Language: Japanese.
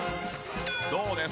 どうです？